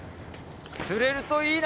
釣れるといいな。